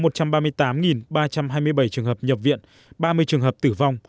trong năm hai nghìn một mươi bảy trường hợp nhập viện ba mươi trường hợp tử vong